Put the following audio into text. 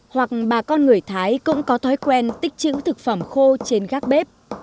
hoặc bà con người thái cũng có thói quen tích chữ thực phẩm khô trên gác bếp